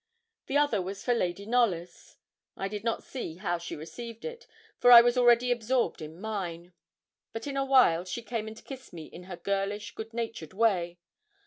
The other was for 'Lady Knollys.' I did not see how she received it, for I was already absorbed in mine. But in awhile she came and kissed me in her girlish, goodnatured way.